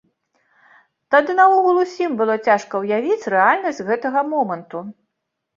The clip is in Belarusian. Тады наогул усім было цяжка ўявіць рэальнасць гэтага моманту.